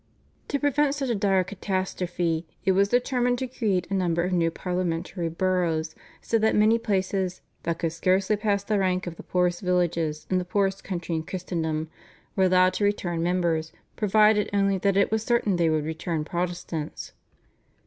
To prevent such a dire catastrophe it was determined to create a number of new parliamentary boroughs so that many places "that could scarcely pass the rank of the poorest villages in the poorest country in Christendom" were allowed to return members, provided only that it was certain they would return Protestants.